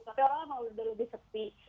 tapi orang memang sudah lebih sepi